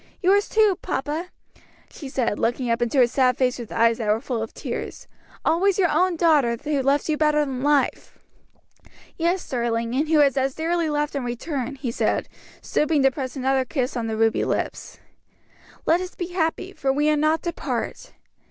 "Yours too, papa," she said, looking up into his sad face with eyes that were full of tears, "always your own daughter who loves you better than life." "Yes, darling, and who is as dearly loved in return," he said, stooping to press another kiss on the ruby lips. "Let us be happy, for we are not to part."